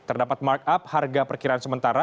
terdapat markup harga perkiraan sementara